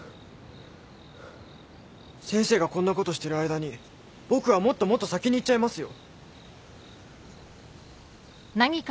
先生がこんなことしてる間に僕はもっともっと先に行っちゃいますよ。